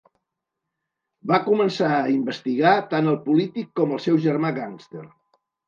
Va començar a investigar tant el polític com el seu germà gàngster.